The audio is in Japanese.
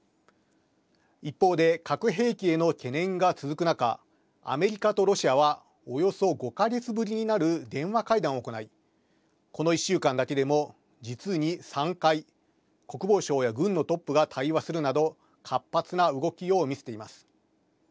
一方で、核兵器への懸念が続く中アメリカとロシアはおよそ５か月ぶりになる電話会談を行いこの１週間だけでも実に３回、国防省や軍のトップが対話するなど活発な動きを見せています。